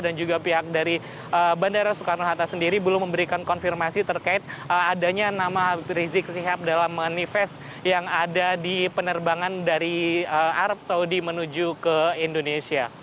dan juga pihak dari bandara soekarno hatta sendiri belum memberikan konfirmasi terkait adanya nama habib rizik sihab dalam manifest yang ada di penerbangan dari arab saudi menuju ke indonesia